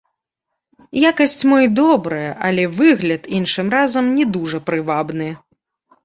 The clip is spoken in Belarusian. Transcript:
Якасць мо і добрая, але выгляд іншым разам не дужа прывабны.